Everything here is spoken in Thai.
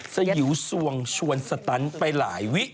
สยิวสวงชวนสตันไปหลายวิ